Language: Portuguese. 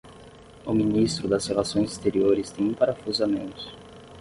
O Ministro das Relações Exteriores tem um parafuso a menos